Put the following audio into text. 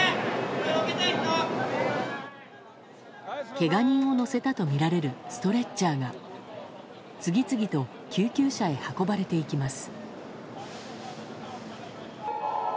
けが人を乗せたとみられるストレッチャーが次々と救急車へ運ばれていきます。